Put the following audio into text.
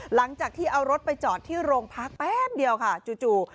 หลังจากที่เอารถไปจอดที่โรงพักแป๊บเดียวค่ะจู่